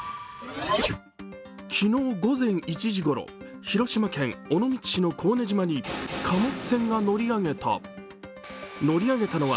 昨日午前１時ごろ、広島県尾道市の高根島に貨物船が乗り上げた。